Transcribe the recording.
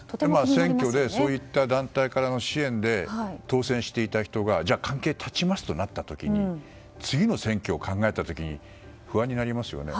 選挙でそういった団体からの支援で当選していた人が関係を断ちますとなった時次の選挙を考えた時に不安になりますよね。